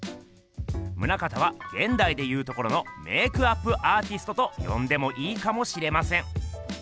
棟方はげんだいでいうところのメークアップアーティストとよんでもいいかもしれません。